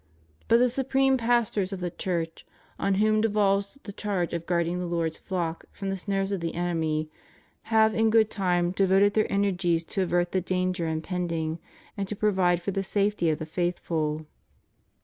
But the supreme pastors of the Church, on whom devolves the charge of guarding the Lord's flock from the snares of the enemy, have in good time devoted their energies to avert the danger impending, and to provide for the safety of the faithful.